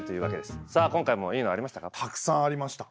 さあ今回もいいのありましたか？